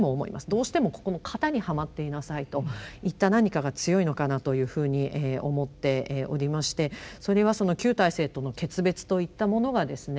どうしてもここの型にはまっていなさいといった何かが強いのかなというふうに思っておりましてそれは旧体制との決別といったものがですね